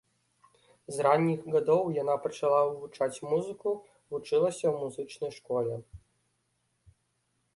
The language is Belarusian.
З ранніх гадоў яна пачала вывучаць музыку, вучылася ў музычнай школе.